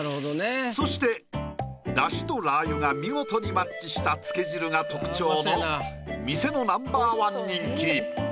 そしてだしとラー油が見事にマッチしたつけ汁が特徴の店のナンバー１人気。